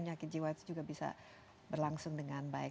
penyakit jiwa itu juga bisa berlangsung dengan baik